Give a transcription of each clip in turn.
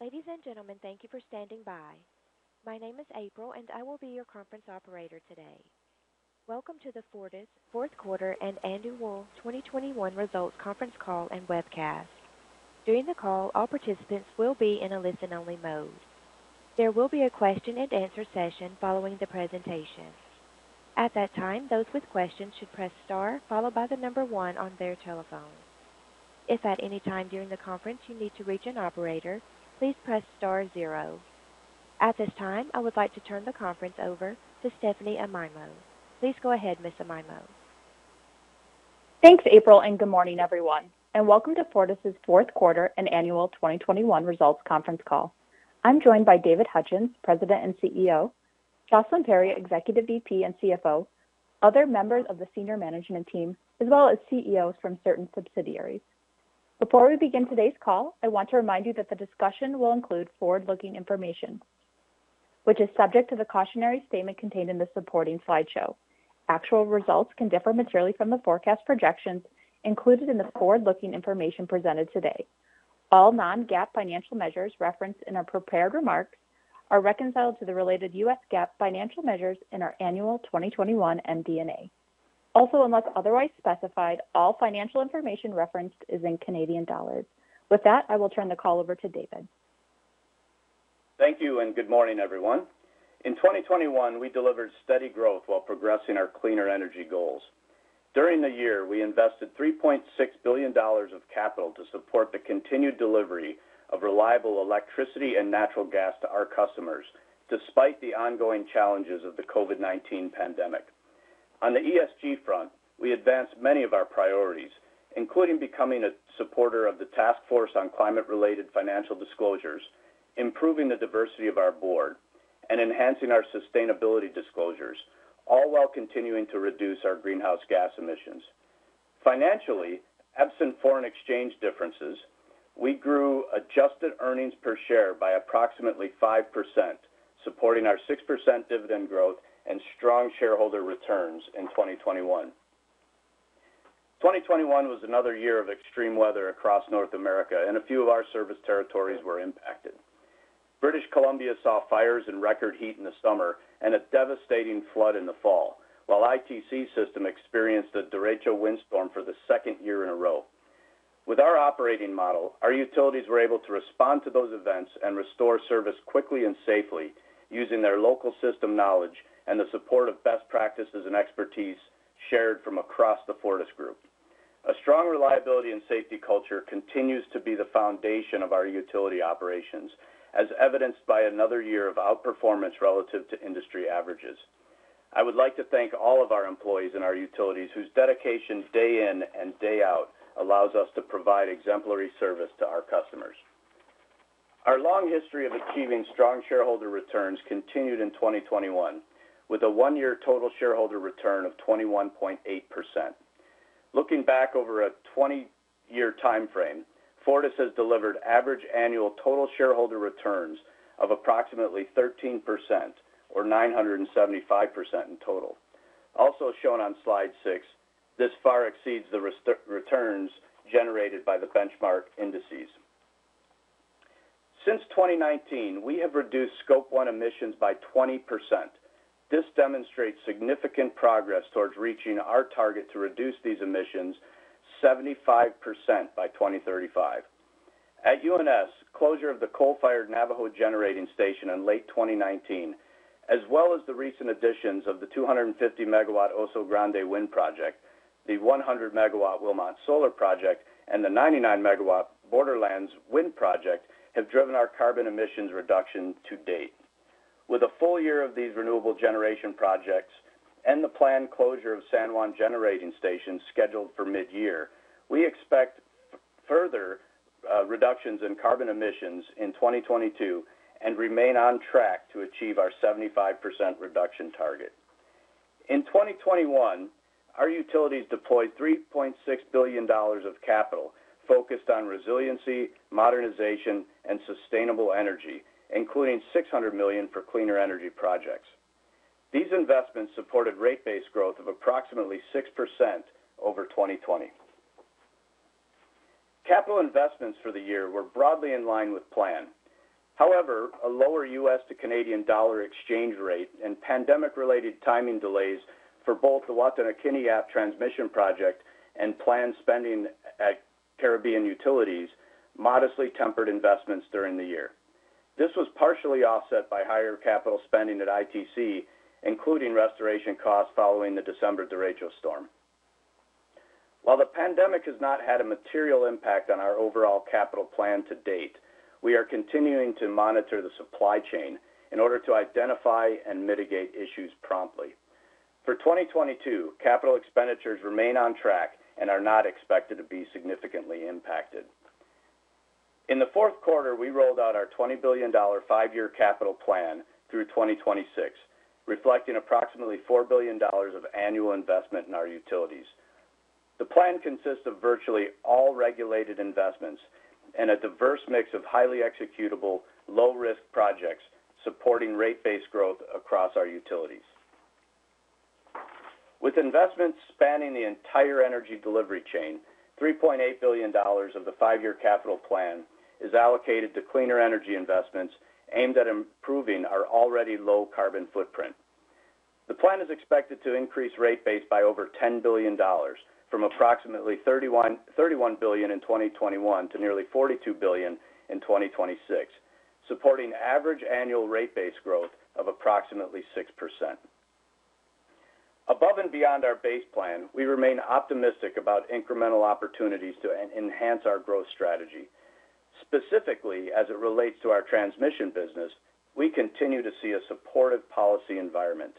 Ladies and gentlemen, thank you for standing by. My name is April, and I will be your conference operator today. Welcome to the Fortis Third Quarter and Annual 2021 Results Conference Call and Webcast. During the call, all participants will be in a listen-only mode. There will be a question-and-answer session following the presentation. At that time, those with questions should press star followed by the number one on their telephone. If at any time during the conference you need to reach an operator, please press star zero. At this time, I would like to turn the conference over to Stephanie Amaimo. Please go ahead, Miss Amaimo. Thanks, April, and good morning, everyone, and welcome to Fortis' fourth quarter and annual 2021 results conference call. I'm joined by David Hutchens, President and CEO, Jocelyn Perry, Executive VP and CFO, other members of the senior management team, as well as CEOs from certain subsidiaries. Before we begin today's call, I want to remind you that the discussion will include forward-looking information, which is subject to the cautionary statement contained in the supporting slideshow. Actual results can differ materially from the forecast projections included in the forward-looking information presented today. All non-GAAP financial measures referenced in our prepared remarks are reconciled to the related U.S. GAAP financial measures in our annual 2021 MD&A. Also, unless otherwise specified, all financial information referenced is in Canadian dollars. With that, I will turn the call over to David. Thank you and good morning, everyone. In 2021, we delivered steady growth while progressing our cleaner energy goals. During the year, we invested 3.6 billion dollars of capital to support the continued delivery of reliable electricity and natural gas to our customers, despite the ongoing challenges of the COVID-19 pandemic. On the ESG front, we advanced many of our priorities, including becoming a supporter of the Task Force on Climate-related Financial Disclosures, improving the diversity of our board, and enhancing our sustainability disclosures, all while continuing to reduce our greenhouse gas emissions. Financially, absent foreign exchange differences, we grew adjusted earnings per share by approximately 5%, supporting our 6% dividend growth and strong shareholder returns in 2021. 2021 was another year of extreme weather across North America, and a few of our service territories were impacted. British Columbia saw fires and record heat in the summer and a devastating flood in the fall, while ITC system experienced a derecho windstorm for the second year in a row. With our operating model, our utilities were able to respond to those events and restore service quickly and safely using their local system knowledge and the support of best practices and expertise shared from across the Fortis group. A strong reliability and safety culture continues to be the foundation of our utility operations, as evidenced by another year of outperformance relative to industry averages. I would like to thank all of our employees in our utilities whose dedication day in and day out allows us to provide exemplary service to our customers. Our long history of achieving strong shareholder returns continued in 2021, with a one-year total shareholder return of 21.8%. Looking back over a 20-year time frame, Fortis has delivered average annual total shareholder returns of approximately 13% or 975% in total. Also shown on slide six, this far exceeds the TSR returns generated by the benchmark indices. Since 2019, we have reduced scope one emissions by 20%. This demonstrates significant progress towards reaching our target to reduce these emissions 75% by 2035. At UNS, closure of the coal-fired Navajo Generating Station in late 2019, as well as the recent additions of the 250-MW Oso Grande Wind Project, the 100-MW Wilmot Solar Project, and the 99-MW Borderlands Wind Project, have driven our carbon emissions reduction to date. With a full year of these renewable generation projects and the planned closure of San Juan Generating Station scheduled for mid-year, we expect further reductions in carbon emissions in 2022 and remain on track to achieve our 75% reduction target. In 2021, our utilities deployed 3.6 billion dollars of capital focused on resiliency, modernization, and sustainable energy, including 600 million for cleaner energy projects. These investments supported rate-based growth of approximately 6% over 2020. Capital investments for the year were broadly in line with plan. However, a lower U.S.-to-Canadian dollar exchange rate and pandemic-related timing delays for both the Wataynikaneyap transmission project and planned spending at Caribbean Utilities modestly tempered investments during the year. This was partially offset by higher capital spending at ITC, including restoration costs following the December derecho storm. While the pandemic has not had a material impact on our overall capital plan to date, we are continuing to monitor the supply chain in order to identify and mitigate issues promptly. For 2022, capital expenditures remain on track and are not expected to be significantly impacted. In the fourth quarter, we rolled out our 20 billion dollar five-year capital plan through 2026, reflecting approximately 4 billion dollars of annual investment in our utilities. The plan consists of virtually all regulated investments and a diverse mix of highly executable low-risk projects supporting rate-based growth across our utilities. With investments spanning the entire energy delivery chain, 3.8 billion dollars of the five-year capital plan is allocated to cleaner energy investments aimed at improving our already low-carbon footprint. The plan is expected to increase rate base by over 10 billion dollars from approximately 31 billion in 2021 to nearly 42 billion in 2026, supporting average annual rate base growth of approximately 6%. Above and beyond our base plan, we remain optimistic about incremental opportunities to enhance our growth strategy. Specifically, as it relates to our transmission business, we continue to see a supportive policy environment.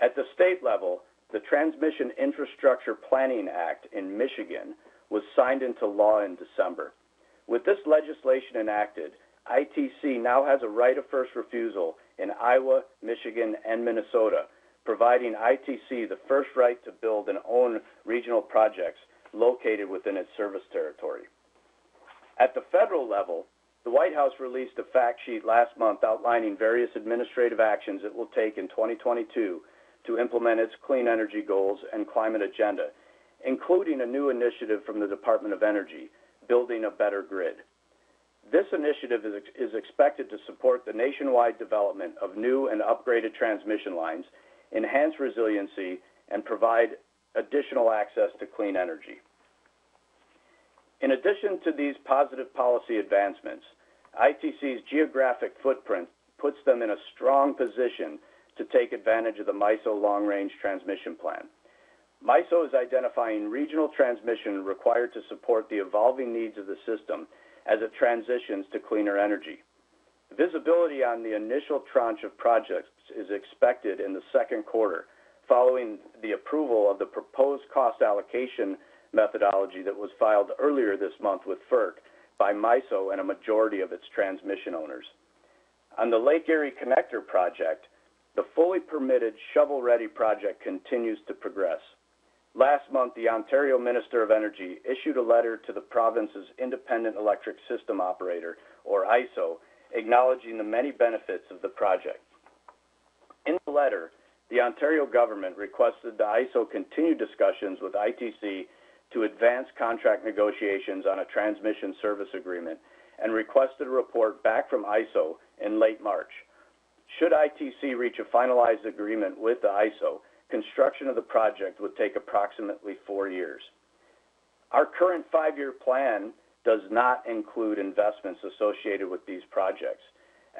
At the state level, the Transmission Infrastructure Planning Act in Michigan was signed into law in December. With this legislation enacted, ITC now has a right of first refusal in Iowa, Michigan, and Minnesota, providing ITC the first right to build and own regional projects located within its service territory. At the federal level, the White House released a fact sheet last month outlining various administrative actions it will take in 2022 to implement its clean energy goals and climate agenda, including a new initiative from the Department of Energy, Building a Better Grid. This initiative is expected to support the nationwide development of new and upgraded transmission lines, enhance resiliency, and provide additional access to clean energy. In addition to these positive policy advancements, ITC's geographic footprint puts them in a strong position to take advantage of the MISO Long Range Transmission Plan. MISO is identifying regional transmission required to support the evolving needs of the system as it transitions to cleaner energy. Visibility on the initial tranche of projects is expected in the second quarter following the approval of the proposed cost allocation methodology that was filed earlier this month with FERC by MISO and a majority of its transmission owners. On the Lake Erie Connector project, the fully permitted shovel-ready project continues to progress. Last month, the Ontario Minister of Energy issued a letter to the province's Independent Electric System Operator, or ISO, acknowledging the many benefits of the project. In the letter, the Ontario government requested the ISO continue discussions with ITC to advance contract negotiations on a transmission service agreement and requested a report back from ISO in late March. Should ITC reach a finalized agreement with the ISO, construction of the project would take approximately four years. Our current five-year plan does not include investments associated with these projects.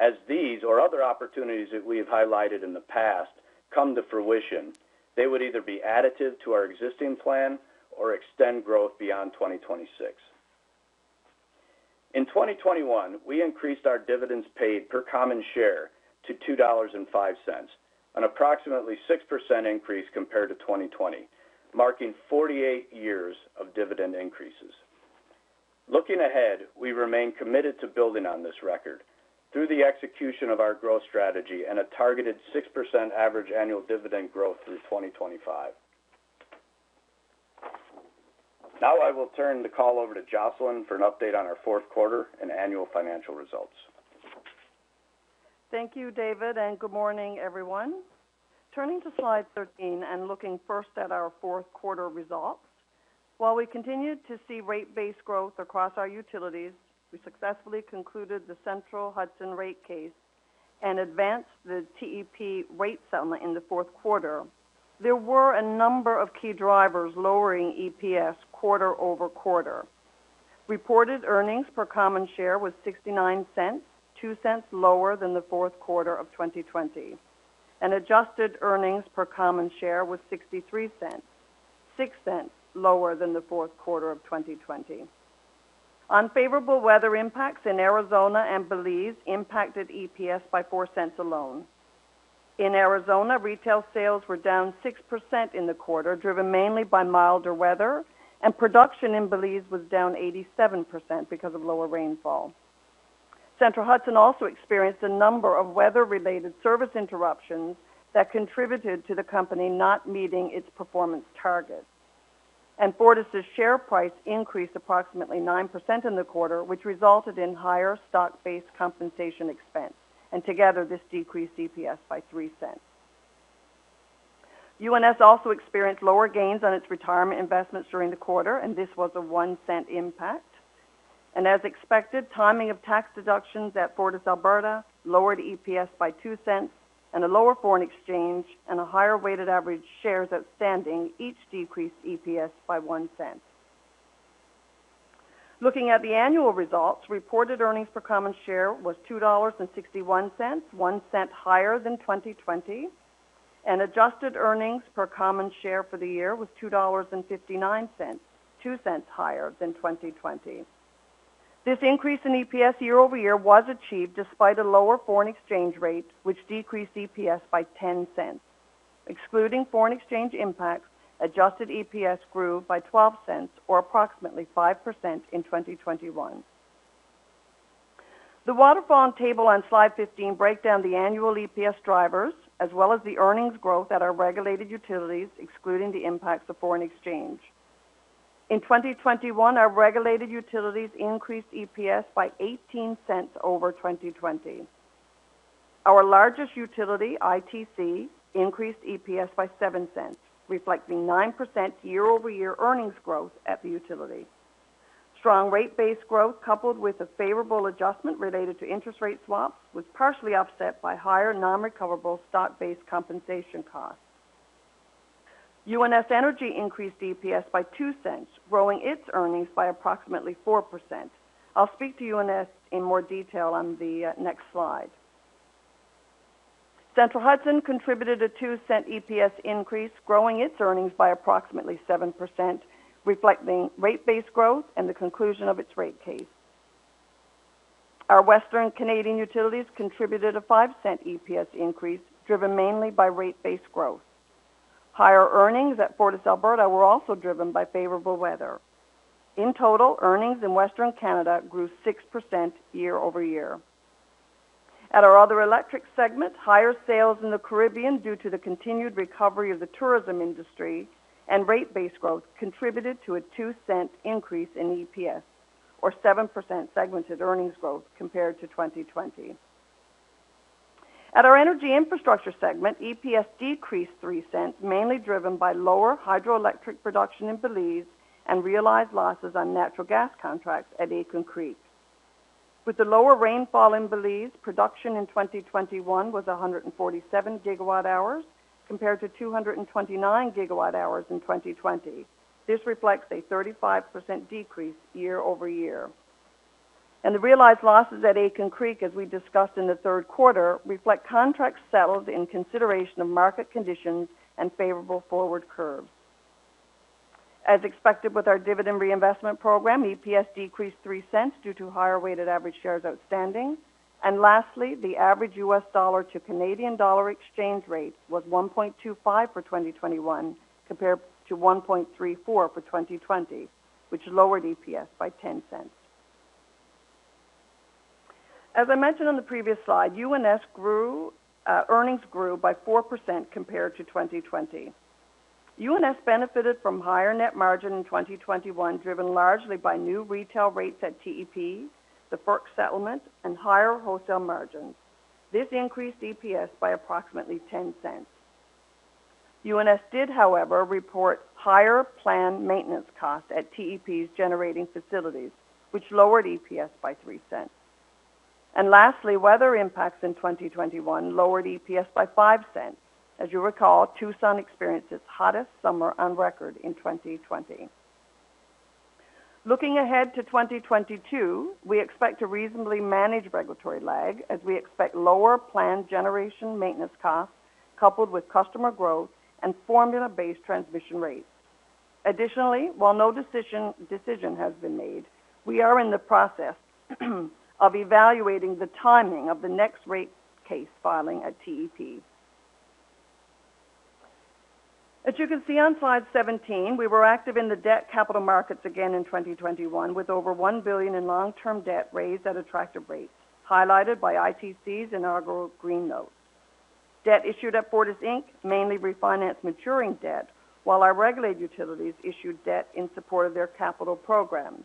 As these or other opportunities that we have highlighted in the past come to fruition, they would either be additive to our existing plan or extend growth beyond 2026. In 2021, we increased our dividends paid per common share to 2.05 dollars, an approximately 6% increase compared to 2020, marking 48 years of dividend increases. Looking ahead, we remain committed to building on this record through the execution of our growth strategy and a targeted 6% average annual dividend growth through 2025. Now I will turn the call over to Jocelyn for an update on our fourth quarter and annual financial results. Thank you, David, and good morning, everyone. Turning to slide 13 and looking first at our fourth quarter results. While we continued to see rate-based growth across our utilities, we successfully concluded the Central Hudson rate case and advanced the TEP rate settlement in the fourth quarter. There were a number of key drivers lowering EPS quarter-over-quarter. Reported earnings per common share was 0.69, 0.02 lower than the fourth quarter of 2020. Adjusted earnings per common share was 0.63, 0.06 lower than the fourth quarter of 2020. Unfavorable weather impacts in Arizona and Belize impacted EPS by 0.04 alone. In Arizona, retail sales were down 6% in the quarter, driven mainly by milder weather, and production in Belize was down 87% because of lower rainfall. Central Hudson also experienced a number of weather-related service interruptions that contributed to the company not meeting its performance targets. Fortis' share price increased approximately 9% in the quarter, which resulted in higher stock-based compensation expense. Together, this decreased EPS by 0.03. UNS also experienced lower gains on its retirement investments during the quarter, and this was a 0.01 impact. As expected, timing of tax deductions at FortisAlberta lowered EPS by 0.02, and a lower foreign exchange and a higher weighted average shares outstanding each decreased EPS by 0.01. Looking at the annual results, reported earnings per common share was 2.61 dollars, 1 cent higher than 2020. Adjusted earnings per common share for the year was 2.59 dollars, 2 cents higher than 2020. This increase in EPS year-over-year was achieved despite a lower foreign exchange rate, which decreased EPS by 0.10. Excluding foreign exchange impacts, adjusted EPS grew by 0.12 or approximately 5% in 2021. The waterfall table on slide 15 break down the annual EPS drivers, as well as the earnings growth at our regulated utilities, excluding the impacts of foreign exchange. In 2021, our regulated utilities increased EPS by 0.18 over 2020. Our largest utility, ITC, increased EPS by 0.07, reflecting 9% year-over-year earnings growth at the utility. Strong rate-based growth, coupled with a favorable adjustment related to interest rate swaps, was partially offset by higher non-recoverable stock-based compensation costs. UNS Energy increased EPS by 0.02, growing its earnings by approximately 4%. I'll speak to UNS in more detail on the next slide. Central Hudson contributed a CAD 0.02 EPS increase, growing its earnings by approximately 7%, reflecting rate-based growth and the conclusion of its rate case. Our Western Canadian utilities contributed a 0.05 EPS increase, driven mainly by rate-based growth. Higher earnings at FortisAlberta were also driven by favorable weather. In total, earnings in Western Canada grew 6% year-over-year. At our other electric segment, higher sales in the Caribbean due to the continued recovery of the tourism industry and rate-based growth contributed to a 0.02 increase in EPS or 7% segmented earnings growth compared to 2020. At our energy infrastructure segment, EPS decreased 0.03, mainly driven by lower hydroelectric production in Belize and realized losses on natural gas contracts at Aitken Creek. With the lower rainfall in Belize, production in 2021 was 147 GWh compared to 229 GWh in 2020. This reflects a 35% decrease year-over-year. The realized losses at Aitken Creek, as we discussed in the third quarter, reflect contracts settled in consideration of market conditions and favorable forward curves. As expected with our dividend reinvestment program, EPS decreased 0.03 due to higher weighted average shares outstanding. Lastly, the average U.S. dollar to Canadian dollar exchange rate was 1.25 for 2021, compared to 1.34 for 2020, which lowered EPS by 0.10. As I mentioned on the previous slide, earnings grew by 4% compared to 2020. UNS benefited from higher net margin in 2021, driven largely by new retail rates at TEP, the FERC settlement, and higher wholesale margins. This increased EPS by approximately 0.10. UNS did, however, report higher planned maintenance costs at TEP's generating facilities, which lowered EPS by 0.03. Lastly, weather impacts in 2021 lowered EPS by 0.05. As you recall, Tucson experienced its hottest summer on record in 2020. Looking ahead to 2022, we expect to reasonably manage regulatory lag as we expect lower planned generation maintenance costs coupled with customer growth and formula-based transmission rates. Additionally, while no decision has been made, we are in the process of evaluating the timing of the next rate case filing at TEP. As you can see on slide 17, we were active in the debt capital markets again in 2021 with over 1 billion in long-term debt raised at attractive rates, highlighted by ITC's inaugural green bond. Debt issued at Fortis Inc. mainly refinanced maturing debt, while our regulated utilities issued debt in support of their capital programs.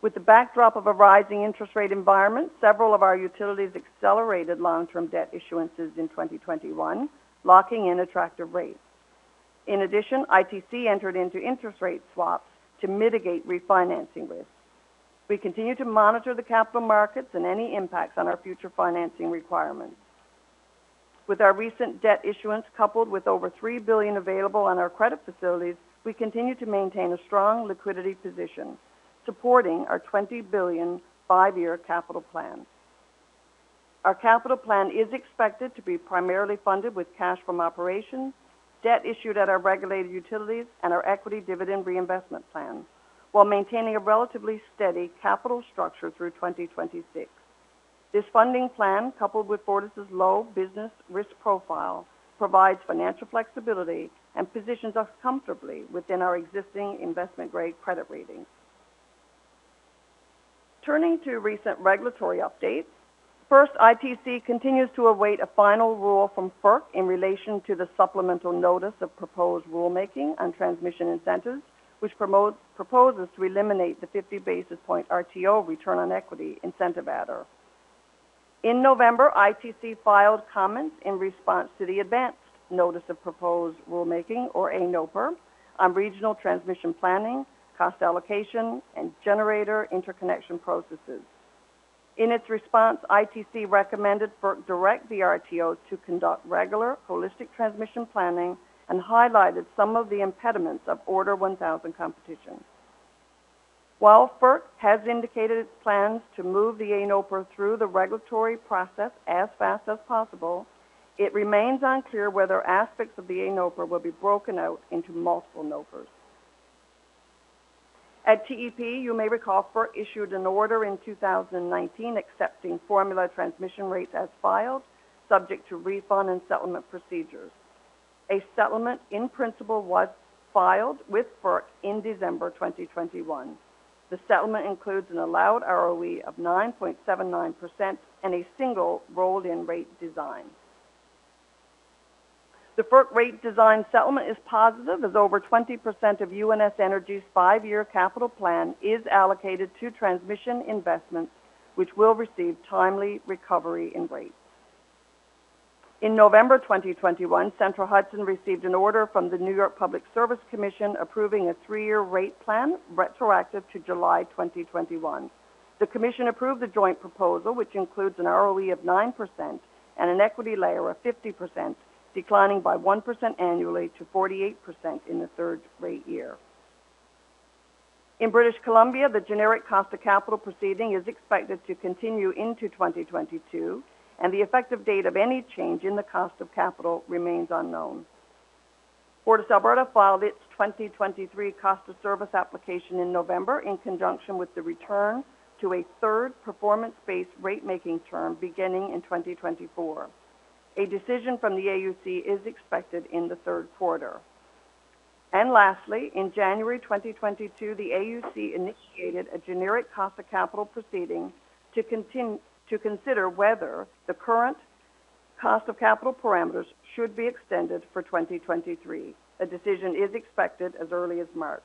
With the backdrop of a rising interest rate environment, several of our utilities accelerated long-term debt issuances in 2021, locking in attractive rates. In addition, ITC entered into interest rate swaps to mitigate refinancing risks. We continue to monitor the capital markets and any impacts on our future financing requirements. With our recent debt issuance, coupled with over 3 billion available on our credit facilities, we continue to maintain a strong liquidity position, supporting our 20 billion five-year capital plan. Our capital plan is expected to be primarily funded with cash from operations, debt issued at our regulated utilities, and our equity dividend reinvestment plans while maintaining a relatively steady capital structure through 2026. This funding plan, coupled with Fortis's low business risk profile, provides financial flexibility and positions us comfortably within our existing investment-grade credit ratings. Turning to recent regulatory updates. First, ITC continues to await a final rule from FERC in relation to the supplemental notice of proposed rulemaking on transmission incentives, which proposes to eliminate the 50 basis points RTO return on equity incentive adder. In November, ITC filed comments in response to the Advance Notice of Proposed Rulemaking, or ANOPR, on regional transmission planning, cost allocation, and generator interconnection processes. In its response, ITC recommended FERC direct the RTO to conduct regular holistic transmission planning and highlighted some of the impediments of Order 1000 competition. While FERC has indicated plans to move the ANOPR through the regulatory process as fast as possible, it remains unclear whether aspects of the ANOPR will be broken out into multiple NOPRs. At TEP, you may recall FERC issued an order in 2019 accepting formula transmission rates as filed, subject to refund and settlement procedures. A settlement, in principle, was filed with FERC in December 2021. The settlement includes an allowed ROE of 9.79% and a single rolled-in rate design. The FERC rate design settlement is positive, as over 20% of UNS Energy's five-year capital plan is allocated to transmission investments which will receive timely recovery in rates. In November 2021, Central Hudson received an order from the New York Public Service Commission approving a three-year rate plan retroactive to July 2021. The commission approved the joint proposal, which includes an ROE of 9% and an equity layer of 50%, declining by 1% annually to 48% in the third rate year. In British Columbia, the generic cost of capital proceeding is expected to continue into 2022, and the effective date of any change in the cost of capital remains unknown. FortisAlberta filed its 2023 cost of service application in November in conjunction with the return to a third performance-based rate-making term beginning in 2024. A decision from the AUC is expected in the third quarter. Lastly, in January 2022, the AUC initiated a generic cost of capital proceeding to consider whether the current cost of capital parameters should be extended for 2023. A decision is expected as early as March.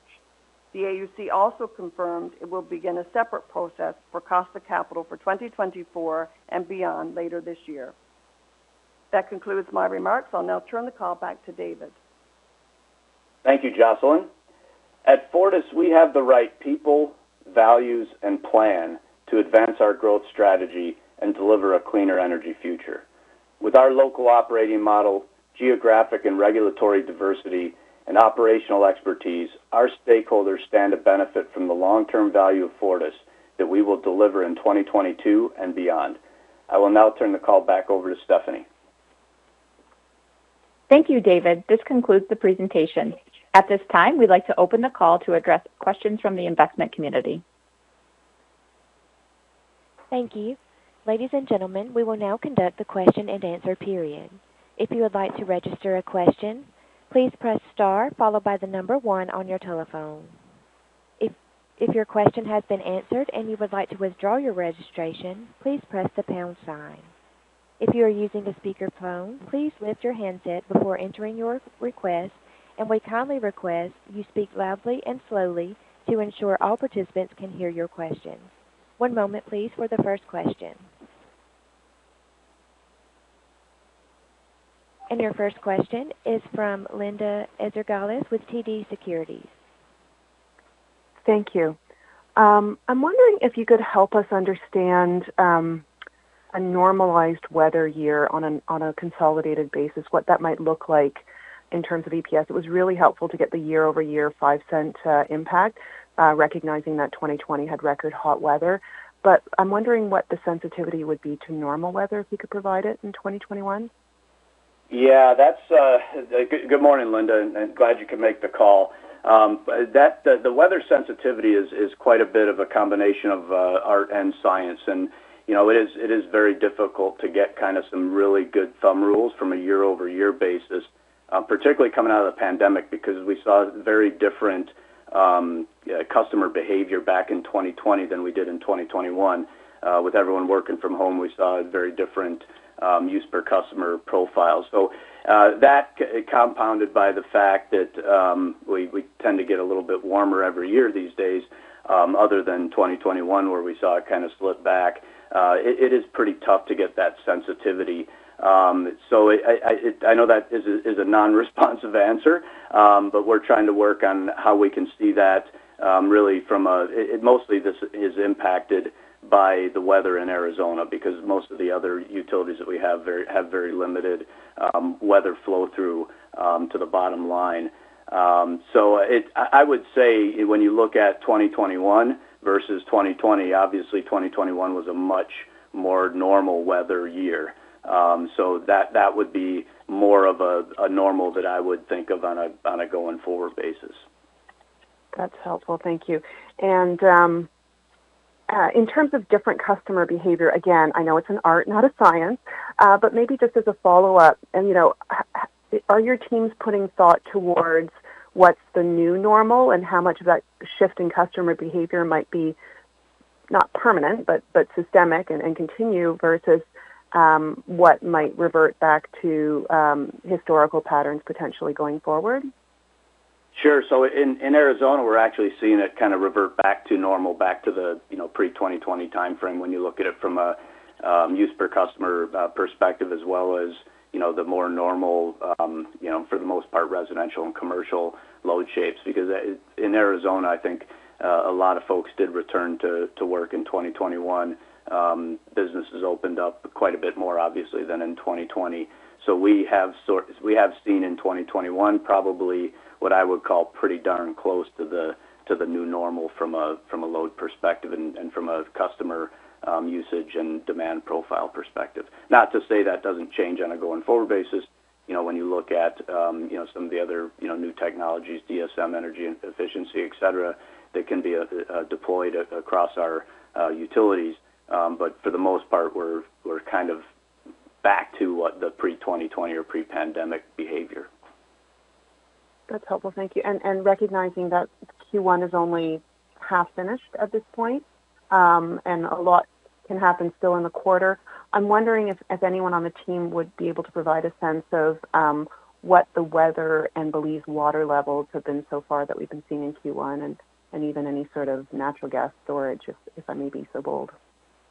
The AUC also confirmed it will begin a separate process for cost of capital for 2024 and beyond later this year. That concludes my remarks. I'll now turn the call back to David. Thank you, Jocelyn. At Fortis, we have the right people, values, and plan to advance our growth strategy and deliver a cleaner energy future. With our local operating model, geographic and regulatory diversity, and operational expertise, our stakeholders stand to benefit from the long-term value of Fortis that we will deliver in 2022 and beyond. I will now turn the call back over to Stephanie. Thank you, David. This concludes the presentation. At this time, we'd like to open the call to address questions from the investment community. Thank you. Ladies and gentlemen, we will now conduct the question-and-answer period. If you would like to register a question, please press star followed by the number one on your telephone. If your question has been answered and you would like to withdraw your registration, please press the pound sign. If you are using a speakerphone, please lift your handset before entering your request, and we kindly request you speak loudly and slowly to ensure all participants can hear your question. One moment please for the first question. Your first question is from Linda Ezergailis with TD Securities. Thank you. I'm wondering if you could help us understand a normalized weather year on a consolidated basis, what that might look like in terms of EPS. It was really helpful to get the year-over-year CAD 0.05 impact, recognizing that 2020 had record hot weather. I'm wondering what the sensitivity would be to normal weather, if you could provide it, in 2021. Good morning, Linda, and glad you could make the call. The weather sensitivity is quite a bit of a combination of art and science. You know, it is very difficult to get kind of some really good rules of thumb from a year-over-year basis, particularly coming out of the pandemic because we saw very different customer behavior back in 2020 than we did in 2021. With everyone working from home, we saw a very different use per customer profile. That compounded by the fact that we tend to get a little bit warmer every year these days, other than 2021, where we saw it kind of slip back. It is pretty tough to get that sensitivity. I know that is a non-responsive answer, but we're trying to work on how we can see that this is mostly impacted by the weather in Arizona because most of the other utilities that we have very limited weather flow-through to the bottom line. I would say when you look at 2021 versus 2020, obviously 2021 was a much more normal weather year. That would be more of a normal that I would think of on a going-forward basis. That's helpful. Thank you. In terms of different customer behavior, again, I know it's an art, not a science, but maybe just as a follow-up and, you know, how are your teams putting thought towards what's the new normal and how much of that shift in customer behavior might be not permanent, but systemic and continue versus what might revert back to historical patterns potentially going forward? Sure. In Arizona, we're actually seeing it kind of revert back to normal, back to the pre-2020 timeframe when you look at it from a use-per-customer perspective as well as, you know, the more normal for the most part residential and commercial load shapes. Because in Arizona, I think a lot of folks did return to work in 2021. Businesses opened up quite a bit more obviously than in 2020. We have seen in 2021 probably what I would call pretty darn close to the new normal from a load perspective and from a customer usage and demand profile perspective. Not to say that doesn't change on a going-forward basis. You know, when you look at, you know, some of the other, you know, new technologies, DSM energy and efficiency, et cetera, that can be deployed across our utilities. For the most part, we're kind of back to what the pre-2020 or pre-pandemic behavior. That's helpful. Thank you. Recognizing that Q1 is only half finished at this point, and a lot can happen still in the quarter. I'm wondering if anyone on the team would be able to provide a sense of what the weather and Belize water levels have been so far that we've been seeing in Q1, and even any sort of natural gas storage, if I may be so bold.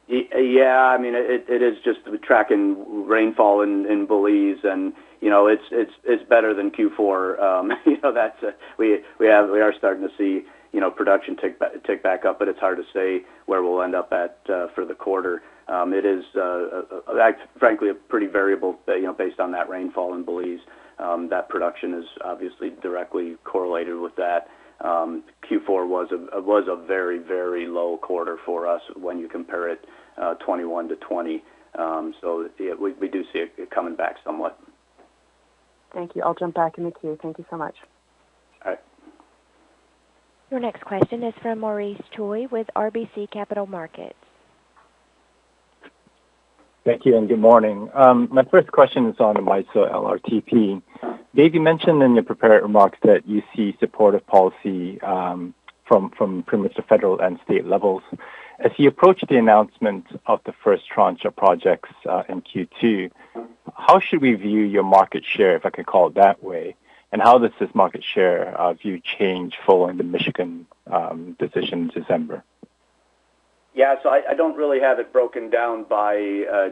Yeah. I mean, it is just tracking rainfall in Belize and, you know, it's better than Q4. We are starting to see, you know, production tick back up, but it's hard to say where we'll end up at for the quarter. It is frankly a pretty variable, you know, based on that rainfall in Belize. That production is obviously directly correlated with that. Q4 was a very low quarter for us when you compare it 2021- 2020. So we do see it coming back somewhat. Thank you. I'll jump back in the queue. Thank you so much. All right. Your next question is from Maurice Choy with RBC Capital Markets. Thank you, and good morning. My first question is on MISO LRTP. Dave, you mentioned in your prepared remarks that you see supportive policy from pretty much the federal and state levels. As you approach the announcement of the first tranche of projects in Q2, how should we view your market share, if I could call it that way? How does this market share view change following the Michigan decision in December? Yeah. I don't really have it broken down by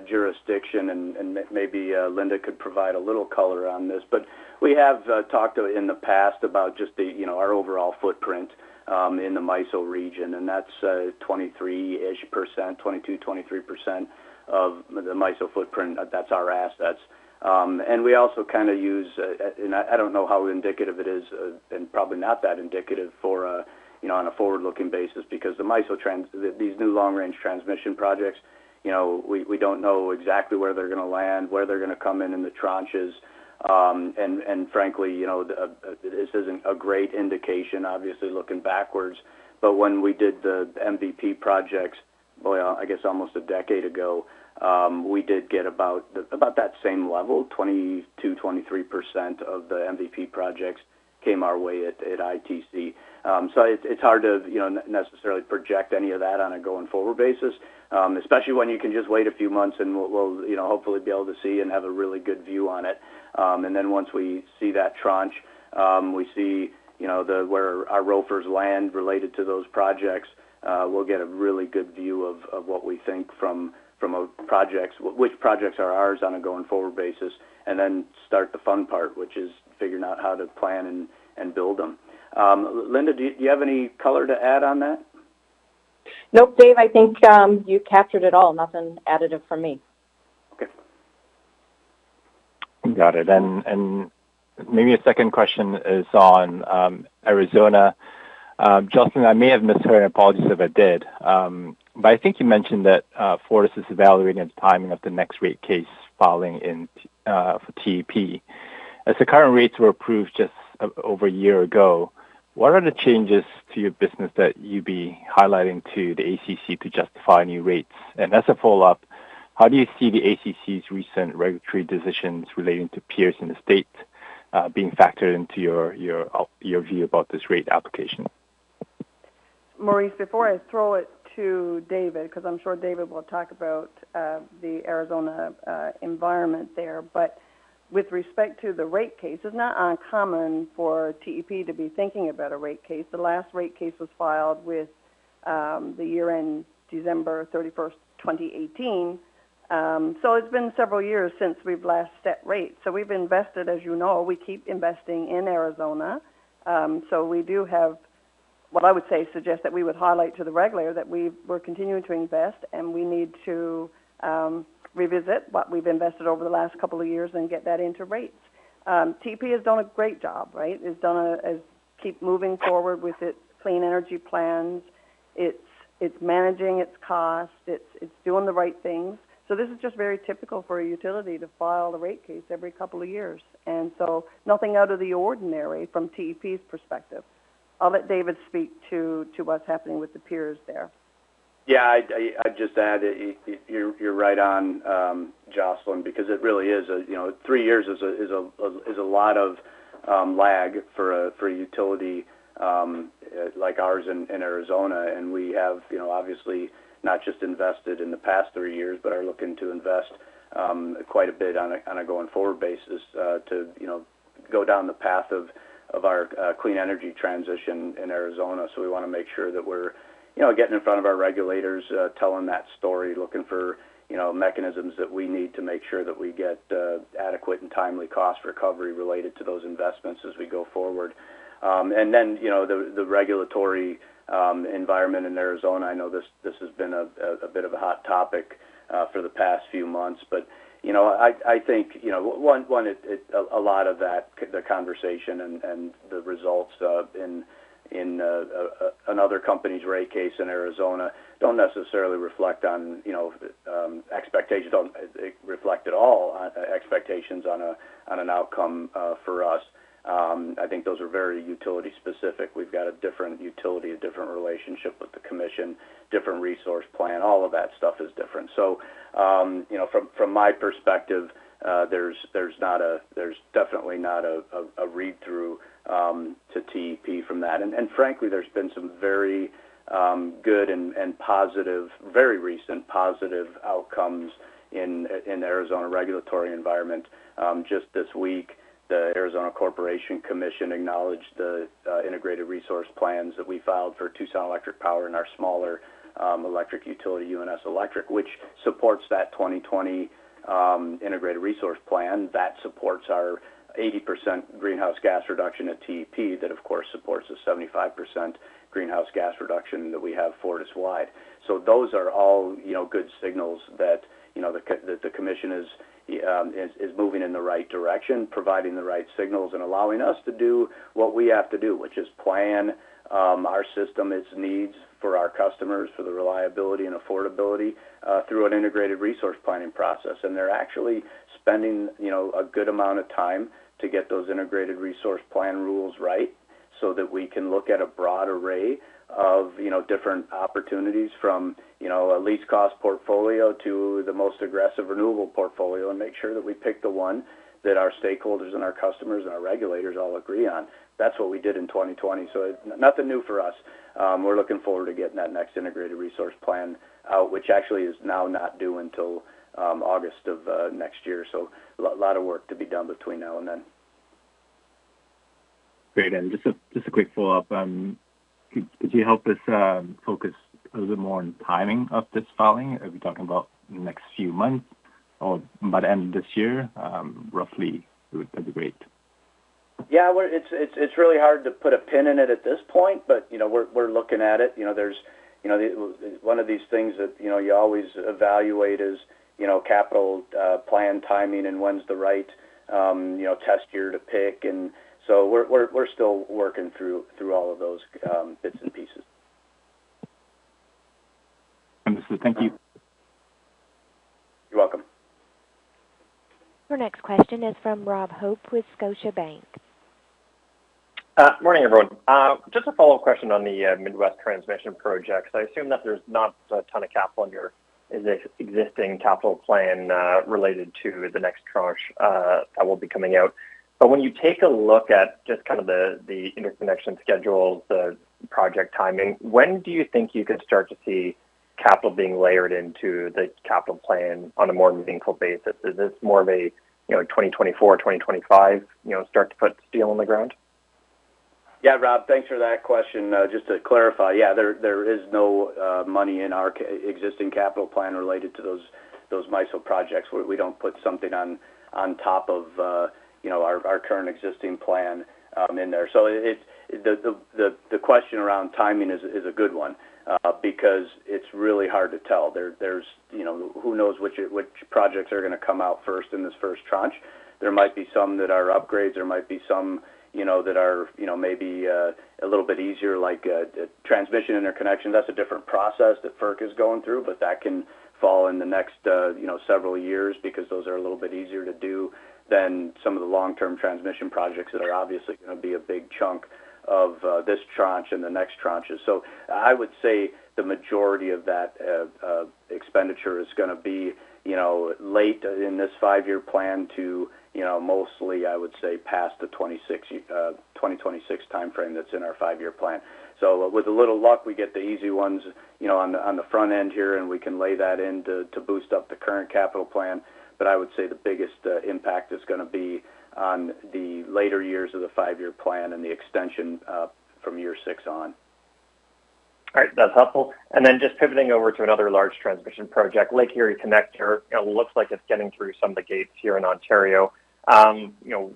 jurisdiction and maybe Linda could provide a little color on this. But we have talked in the past about just the, you know, our overall footprint in the MISO region, and that's 23-ish%, 22%-23% of the MISO footprint. That's our assets. And we also kind of use and I don't know how indicative it is, and probably not that indicative for, you know, on a forward-looking basis because these new long-range transmission projects, you know, we don't know exactly where they're gonna land, where they're gonna come in in the tranches. And frankly, you know, this isn't a great indication, obviously, looking backwards. When we did the MVP projects, boy, I guess almost a decade ago, we did get about that same level, 22%-23% of the MVP projects came our way at ITC. So it's hard to, you know, necessarily project any of that on a going-forward basis, especially when you can just wait a few months, and we'll, you know, hopefully be able to see and have a really good view on it. And then once we see that tranche, we see, you know, where our ROFRs land related to those projects, we'll get a really good view of what we think from which projects are ours on a going-forward basis, and then start the fun part, which is figuring out how to plan and build them. Linda, do you have any color to add on that? Nope. Dave, I think you captured it all. Nothing additive from me. Okay. Got it. Maybe a second question is on Arizona. Jocelyn, I may have missed her, and apologies if I did. But I think you mentioned that Fortis is evaluating the timing of the next rate case filing for TEP. As the current rates were approved just over a year ago, what are the changes to your business that you'd be highlighting to the ACC to justify new rates? As a follow-up, how do you see the ACC's recent regulatory decisions relating to peers in the state being factored into your view about this rate application? Maurice, before I throw it to David, because I'm sure David will talk about the Arizona environment there. With respect to the rate case, it's not uncommon for TEP to be thinking about a rate case. The last rate case was filed with the year-end December 31st, 2018. It's been several years since we've last set rates. We've invested, as you know, we keep investing in Arizona. We do have what I would say suggest that we would highlight to the regulator that we're continuing to invest, and we need to revisit what we've invested over the last couple of years and get that into rates. TEP has done a great job, right? It's done has kept moving forward with its clean energy plans. It's managing its costs. It's doing the right things. This is just very typical for a utility to file a rate case every couple of years. Nothing out of the ordinary from TEP's perspective. I'll let David speak to what's happening with the peers there. Yeah, I'd just add, you're right on, Jocelyn, because it really is, you know, three years is a lot of lag for a utility like ours in Arizona. We have, you know, obviously not just invested in the past three years, but are looking to invest quite a bit on a going-forward basis to, you know, go down the path of our clean energy transition in Arizona. We want to make sure that we're, you know, getting in front of our regulators, telling that story, looking for, you know, mechanisms that we need to make sure that we get adequate and timely cost recovery related to those investments as we go forward. You know, the regulatory environment in Arizona, I know this has been a bit of a hot topic for the past few months. You know, I think you know a lot of that, the conversation and the results in another company's rate case in Arizona don't necessarily reflect on you know expectations. Don't reflect at all on expectations on an outcome for us. I think those are very utility specific. We've got a different utility, a different relationship with the commission, different resource plan. All of that stuff is different. You know, from my perspective, there's definitely not a read-through to TEP from that. Frankly, there's been some very good and positive, very recent positive outcomes in Arizona regulatory environment. Just this week, the Arizona Corporation Commission acknowledged the integrated resource plans that we filed for Tucson Electric Power and our smaller electric utility, UNS Electric, which supports that 2020 integrated resource plan. That supports our 80% greenhouse gas reduction at TEP. That, of course, supports the 75% greenhouse gas reduction that we have Fortis-wide. Those are all, you know, good signals that, you know, the commission is moving in the right direction, providing the right signals, and allowing us to do what we have to do. Which is plan our system, its needs for our customers, for the reliability and affordability through an integrated resource planning process. They're actually spending, you know, a good amount of time to get those integrated resource plan rules right so that we can look at a broad array of, you know, different opportunities from, you know, a least cost portfolio to the most aggressive renewable portfolio and make sure that we pick the one that our stakeholders and our customers and our regulators all agree on. That's what we did in 2020. Nothing new for us. We're looking forward to getting that next integrated resource plan out, which actually is now not due until August of next year. A lot of work to be done between now and then. Great. Just a quick follow-up. Could you help us focus a little bit more on timing of this filing? Are we talking about next few months or by the end of this year, roughly? That'd be great. Yeah. Well, it's really hard to put a pin in it at this point, but, you know, we're looking at it. You know, there's, you know, one of these things that, you know, you always evaluate is, you know, capital plan timing and when's the right, you know, test year to pick. So we're still working through all of those bits and pieces. Understood. Thank you. You're welcome. Our next question is from Rob Hope with Scotiabank. Morning, everyone. Just a follow-up question on the Midwest Transmission projects. I assume that there's not a ton of capital in your existing capital plan related to the next tranche that will be coming out. When you take a look at just kind of the interconnection schedules, the project timing, when do you think you could start to see capital being layered into the capital plan on a more meaningful basis? Is this more of a, you know, 2024, 2025, you know, start to put steel on the ground? Yeah. Rob, thanks for that question. Just to clarify, yeah, there is no money in our existing capital plan related to those MISO projects. We don't put something on top of you know our current existing plan in there. So it's the question around timing is a good one because it's really hard to tell. There's you know who knows which projects are gonna come out first in this first tranche. There might be some that are upgrades. There might be some you know that are you know maybe a little bit easier like a transmission interconnection. That's a different process that FERC is going through, but that can fall in the next, you know, several years because those are a little bit easier to do than some of the long-term transmission projects that are obviously gonna be a big chunk of, this tranche and the next tranches. I would say the majority of that, expenditure is gonna be, you know, late in this five-year plan to, you know, mostly, I would say, past the 2026 timeframe that's in our five-year plan. With a little luck, we get the easy ones, you know, on the front end here, and we can lay that in to boost up the current capital plan. I would say the biggest impact is gonna be on the later years of the five-year plan and the extension from year six on. All right. That's helpful. Just pivoting over to another large transmission project, Lake Erie Connector, it looks like it's getting through some of the gates here in Ontario. You know,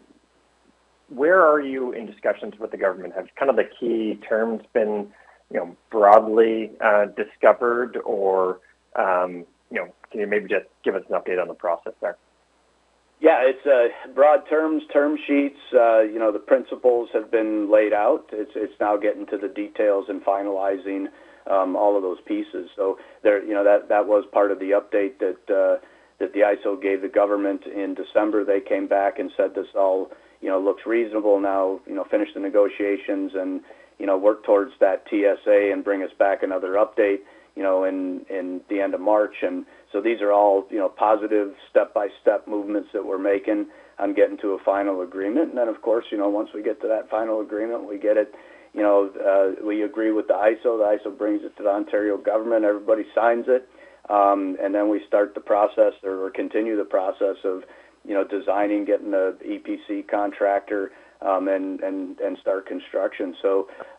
where are you in discussions with the government? Have kind of the key terms been, you know, broadly discovered or, you know, can you maybe just give us an update on the process there? Yeah. It's broad terms, term sheets, you know, the principles have been laid out. It's now getting to the details and finalizing all of those pieces. There, you know, that was part of the update that the ISO gave the government in December. They came back and said, "This all, you know, looks reasonable now, you know, finish the negotiations and, you know, work towards that TSA and bring us back another update, you know, in the end of March." These are all, you know, positive step-by-step movements that we're making on getting to a final agreement. Then, of course, you know, once we get to that final agreement, we get it, you know, we agree with the ISO, the ISO brings it to the Ontario government, everybody signs it, and then we start the process or continue the process of, you know, designing, getting the EPC contractor, and start construction.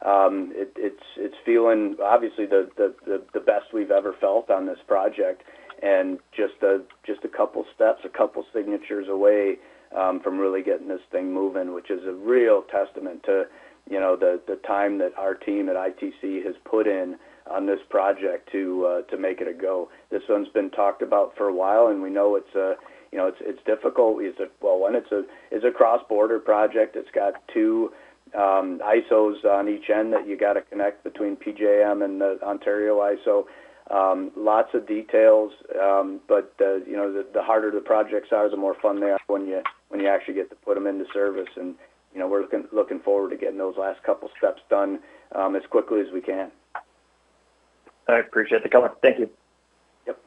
It's feeling obviously the best we've ever felt on this project. Just a couple steps, a couple signatures away from really getting this thing moving, which is a real testament to, you know, the time that our team at ITC has put in on this project to make it a go. This one's been talked about for a while, and we know it's, you know, it's difficult. It's a cross-border project. It's got two ISOs on each end that you gotta connect between PJM and the Ontario ISO. Lots of details. You know, the harder the projects are, the more fun they are when you actually get to put them into service. You know, we're looking forward to getting those last couple steps done as quickly as we can. I appreciate the comment. Thank you. Yep.